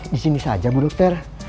disini saja bu dokter